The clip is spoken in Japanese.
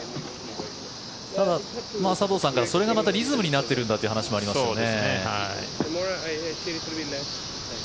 ただ、佐藤さんからそれがまたリズムになっているんだという話もありましたよね。